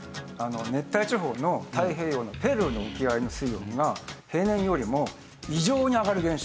熱帯地方の太平洋のペルーの沖合の水温が平年よりも異常に上がる現象。